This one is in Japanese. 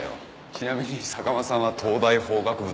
ちなみに坂間さんは東大法学部とか？